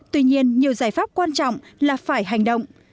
tuy nhiên nhiều giải pháp quan trọng là phải hành động